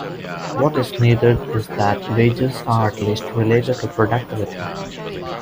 What is needed is that wages are at least related to productivity.